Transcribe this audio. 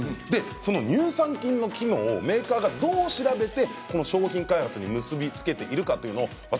その乳酸菌の機能をメーカーはどう調べて商品開発に結び付けているのかというのを私